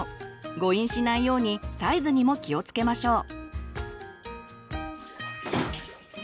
誤飲しないようにサイズにも気をつけましょう。